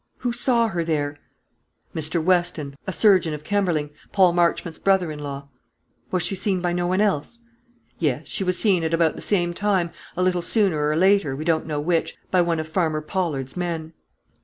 Who saw her there?" "Mr. Weston, a surgeon of Kemberling, Paul Marchmont's brother in law." "Was she seen by no one else?" "Yes; she was seen at about the same time a little sooner or later, we don't know which by one of Farmer Pollard's men."